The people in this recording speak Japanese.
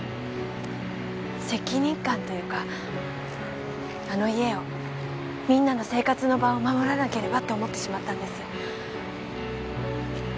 責任感というかあの家をみんなの生活の場を守らなければって思ってしまったんです。